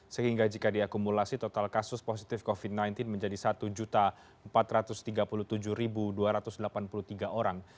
sehingga jika diakumulasi total kasus positif covid sembilan belas menjadi satu empat ratus tiga puluh tujuh dua ratus delapan puluh tiga orang